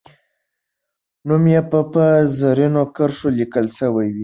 نوم یې به په زرینو کرښو لیکل سوی وي.